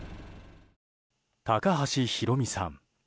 高橋裕美さん